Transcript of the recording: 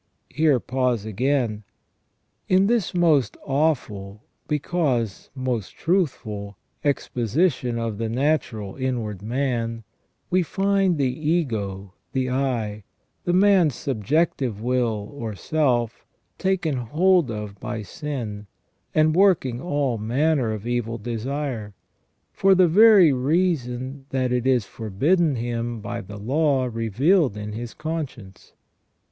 Here pause again. In this most awful, because most truthful, exposition of the natural inward man, we find the ego, the I, the man's subjective will, or self, taken hold of by sin, and working all manner of evil desire, for the very reason that it is forbidden him by the law revealed in his conscience.